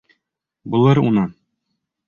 Булыр унан!